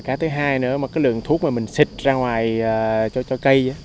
cái thứ hai nữa lượng thuốc mà mình xịt ra ngoài cho cây